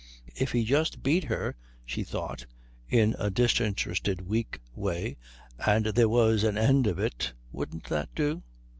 If he just beat her, she thought, in a disinterested weak way, and there was an end of it, wouldn't that do?